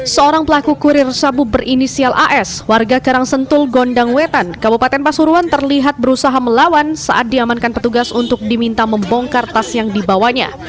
seorang pelaku kurir sabu berinisial as warga karangsentul gondang wetan kabupaten pasuruan terlihat berusaha melawan saat diamankan petugas untuk diminta membongkar tas yang dibawanya